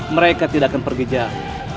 mereka tidak akan pergi jauh